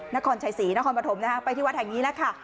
นครชัยศรีนครปฐมนะฮะไปที่วัดแห่งนี้แล้วค่ะ